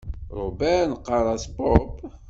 Robert neɣɣar-as Bob.